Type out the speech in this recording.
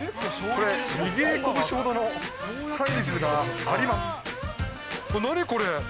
これ、握り拳ほどのサイズがあります。